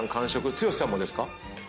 剛さんもですか？